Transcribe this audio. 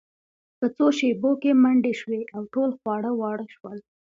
په څو شیبو کې منډې شوې او ټول خواره واره شول